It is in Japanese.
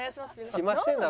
暇してんだろ？